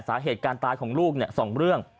สาเหตุการตายของลูก๒เรื่อง